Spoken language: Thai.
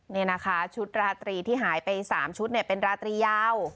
นี่นะคะชุดราตรีที่หายไป๓ชุดเป็นราตรียาว